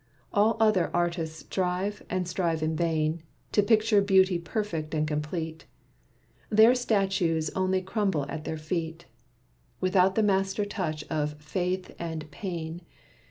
All other artists strive and strive in vain, To picture beauty perfect and complete. Their statues only crumble at their feet, Without the master touch of Faith and Pain.